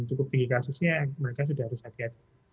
cukup tinggi kasusnya mereka sudah harus hati hati